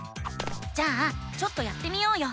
じゃあちょっとやってみようよ！